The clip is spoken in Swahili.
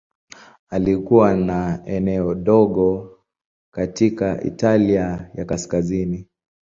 Alikuwa na eneo dogo katika Italia ya Kaskazini.